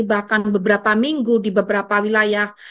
bahkan beberapa minggu di beberapa wilayah